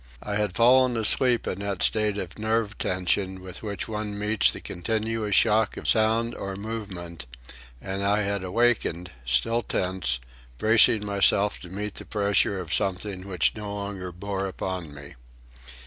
I had fallen asleep in that state of nerve tension with which one meets the continuous shock of sound or movement, and I had awakened, still tense, bracing myself to meet the pressure of something which no longer bore upon me.